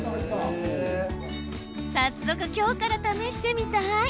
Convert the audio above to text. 早速、今日から試してみたい。